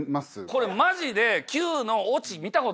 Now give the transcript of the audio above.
これマジで。